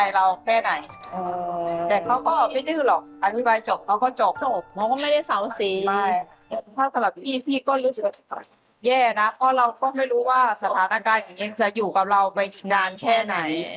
อย่างนั้นจะอยู่กับเราไปงานแค่ไหน